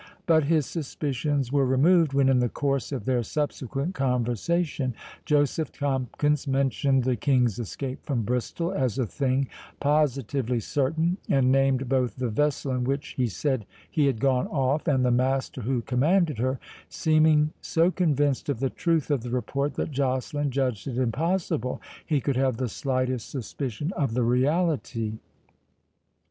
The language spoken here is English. But his suspicions were removed, when, in the course of their subsequent conversation, Joseph Tomkins mentioned the King's escape from Bristol as a thing positively certain, and named both the vessel in which, he said, he had gone off, and the master who commanded her, seeming so convinced of the truth of the report, that Joceline judged it impossible he could have the slightest suspicion of the reality.